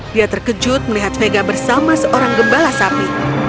dia terkejut melihat vega bersama seorang gembala sapi